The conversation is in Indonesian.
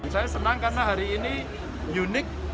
saya senang karena hari ini unik